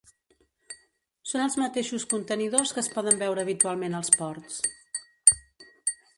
Són els mateixos contenidors que es poden veure habitualment als ports.